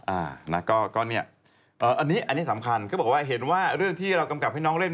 อันนี้สำคัญเห็นว่าเรื่องที่เรากำกับให้น้องเล่น